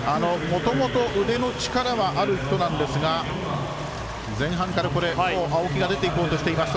もともと腕の力はある人なんですが前半から、青木が出ていこうとしています。